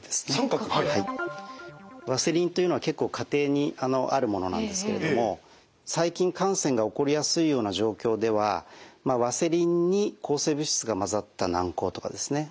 ワセリンというのは結構家庭にあるものなんですけれども細菌感染が起こりやすいような状況ではワセリンに抗生物質が混ざった軟こうとかですね